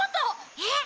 えっ！